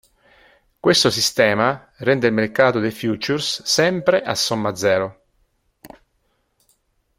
Questo sistema rende il mercato dei futures sempre a somma zero.